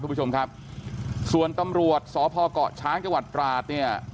คุณผู้ชมครับส่วนตำรวจสพเกาะช้างจังหวัดตราดเนี่ย